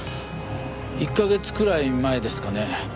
１カ月くらい前ですかね